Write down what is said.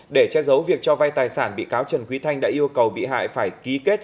để che giấu việc cho vay tài sản bị cáo trần quý thanh đã yêu cầu bị hại phải ký kết